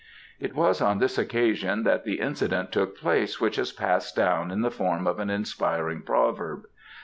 It was on this occasion that the incident took place which has passed down in the form of an inspiriting proverb.